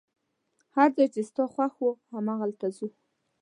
هر ځای چي ستا خوښ وو، همالته ځو.